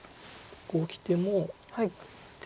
こうきても。